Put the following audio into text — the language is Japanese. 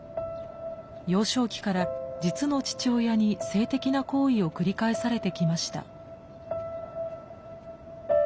幼少期から実の父親に性的な行為を繰り返されてきました。